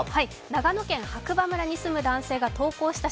長野県白馬村に住む男性が投稿した